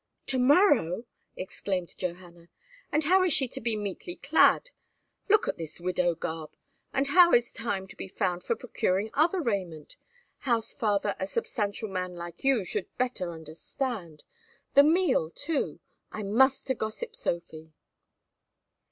"To morrow!" exclaimed Johanna; "and how is she to be meetly clad? Look at this widow garb; and how is time to be found for procuring other raiment? House father, a substantial man like you should better understand! The meal too! I must to gossip Sophie!"